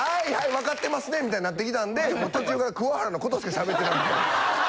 わかってますねみたいになってきたんでもう途中から桑原のことしか喋ってなかったです。